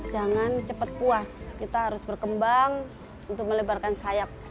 jangan cepat puas kita harus berkembang untuk melebarkan sayap